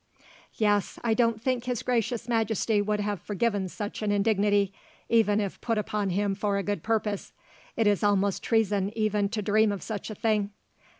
"Yes; I don't think His Gracious Majesty would have forgiven such an indignity, even if put upon him for a good purpose. It is almost treason even to dream of such a thing."